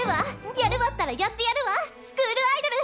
やるわったらやってやるわスクールアイドル！